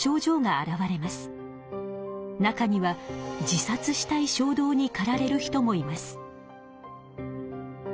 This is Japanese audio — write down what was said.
中には自殺したいしょう動にかられる人もいます。